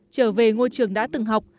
trở về ngôi trường đã từng học